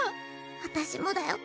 私もだよ。